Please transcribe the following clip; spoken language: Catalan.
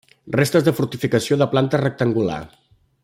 Restes de fortificació de planta rectangular.